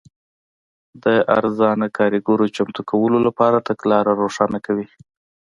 د ارزانه کارګرو چمتو کولو لپاره تګلاره روښانه کوي.